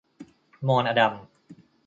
มรอดัม